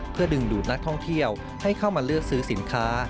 เพื่อดึงดูดนักท่องเที่ยวให้เข้ามาเลือกซื้อสินค้า